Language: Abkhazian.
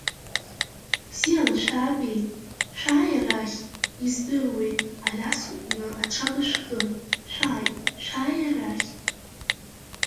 Бзиала шәаабеит, шәааи арахь, издыруеит, Алиас уҟны аҽага шәкын, шәааи, шәааи арахь.